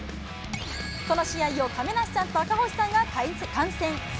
この試合を亀梨さんと赤星さんが観戦。